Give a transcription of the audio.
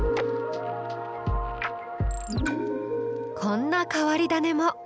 こんな変わり種も。